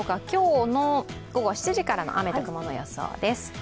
今日の午後７時からの雨と雲の予想です。